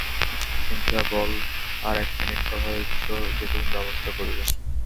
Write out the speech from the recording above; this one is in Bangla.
সিনথিয়া, বল আর এক মিনিট, - কথা দিচ্ছ যে তুমি ব্যাবস্থা করবে।